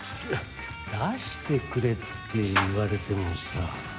出してくれって言われてもさ。